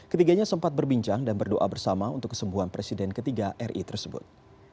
ketiganya sempat berbincang dan berdoa bersama untuk kesembuhan presiden ketiga ri tersebut